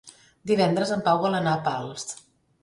Divendres en Pau vol anar a Pals.